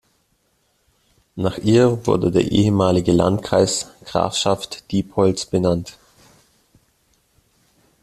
Nach ihr wurde der ehemalige Landkreis Grafschaft Diepholz benannt.